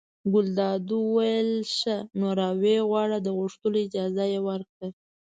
ګلداد وویل ښه! نو را ویې غواړه د غوښتلو اجازه یې ورکړه.